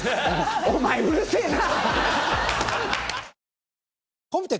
お前うるせぇな！